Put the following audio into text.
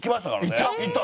行った？